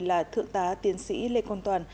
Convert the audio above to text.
là thượng tá tiến sĩ lê quang toàn